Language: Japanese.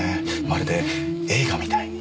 まるで映画みたいに。